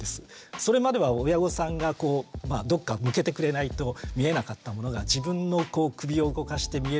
それまでは親御さんがどっか向けてくれないと見えなかったものが自分の首を動かして見えるようになる。